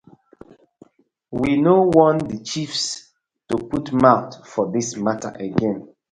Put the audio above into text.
We no want the chiefs to put mouth for dis matta again.